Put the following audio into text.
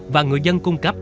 và người dân cung cấp